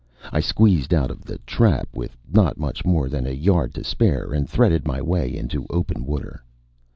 I squeezed out of the trap with not much more than a yard to spare and threaded my way into open water.